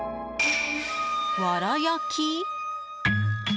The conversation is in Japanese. わら焼き？